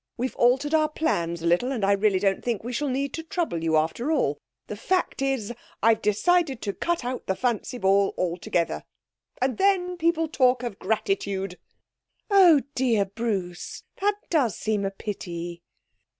We've altered our plans a little, and I really don't think we shall need to trouble you after all. The fact is, I've decided to cut out the fancy ball altogether." And then people talk of gratitude!' 'Oh, dear, Bruce, that does seem a pity!'